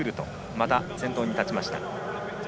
また、先頭に立ちました。